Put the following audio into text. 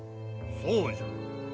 そうじゃ。